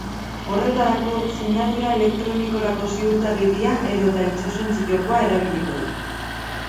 Horretarako, sinadura elektronikorako ziurtagiria edota itsasontzi-jokoa erabiliko da.